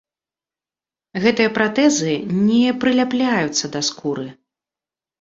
Гэтыя пратэзы не прыляпляюцца да скуры.